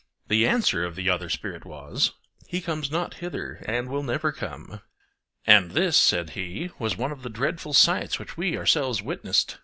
The answer of the other spirit was: 'He comes not hither and will never come. And this,' said he, 'was one of the dreadful sights which we ourselves witnessed.